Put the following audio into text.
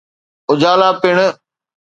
اجالا پڻ.